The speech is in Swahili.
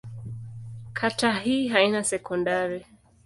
Kata hii haina sekondari.